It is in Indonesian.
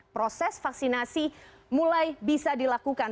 proses vaksinasi mulai bisa dilakukan